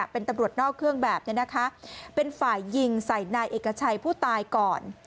เป็นตำรวจนอกเครื่องแบบเนี่ยนะคะเป็นฝ่ายยิงใส่นายเอกชัยผู้ตายก่อน